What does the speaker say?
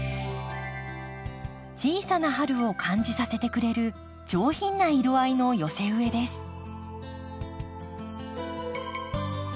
小さな春を感じさせてくれる上品な色合いの寄せ植えです。